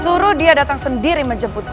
suruh dia datang sendiri menjemputmu